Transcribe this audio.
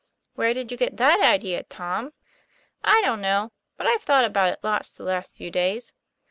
" Where did you get that idea, Tom ?" "I don't know, but I've thought about it lots the last few days.